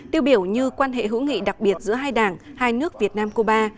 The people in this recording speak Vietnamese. tiêu biểu như quan hệ hữu nghị đặc biệt giữa hai đảng hai nước việt nam cuba